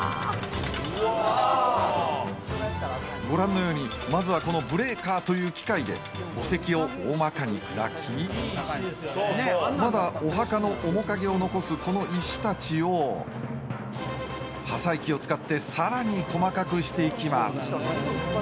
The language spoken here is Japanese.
ご覧のように、まずはこのブレーカーという機械で墓石を大まかに砕き、まだお墓の面影を残すこの石たちを破砕機を使って更に細かくしていきます。